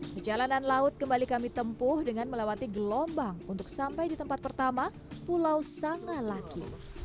perjalanan laut kembali kami tempuh dengan melewati gelombang untuk sampai di tempat pertama pulau sangalaki